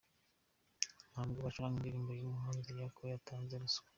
Ntabwo bacuranga indirimbo y’umuhanzi kuko yatanze ruswa.